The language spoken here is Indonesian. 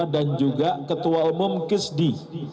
dan juga ketua umum kisdi